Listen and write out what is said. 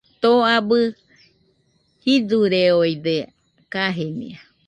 Too abɨ jiduireoide kajenia.